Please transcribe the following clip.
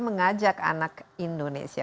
mengajak anak indonesia